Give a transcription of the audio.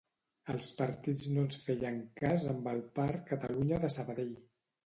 Els partits no ens feien cas amb el Parc Catalunya de Sabadell